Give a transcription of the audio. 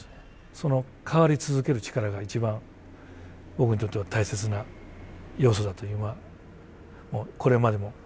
その変わり続ける力が一番僕にとっては大切な要素だと今これまでも思ってます。